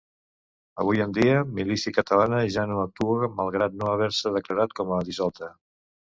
Avui en dia, Milícia Catalana ja no actua malgrat no haver-se declarat com a dissolta.